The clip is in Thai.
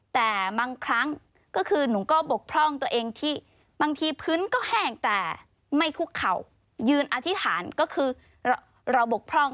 แต่บางครั้งก็คือหนูก็บกพร่องตัวเองที่บางทีพื้นก็แห้งแต่ไม่คุกเข่ายืนอธิษฐานก็คือเราบกพร่อง